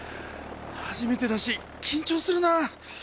初めてだし緊張するなぁ。